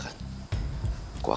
aku akan bikin mereka ketakutan